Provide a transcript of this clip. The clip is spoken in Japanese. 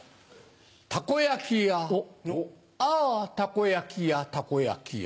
たこ焼きやああたこ焼きやたこ焼きや。